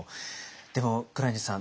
でも黒柳さん